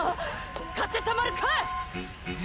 買ってたまるか！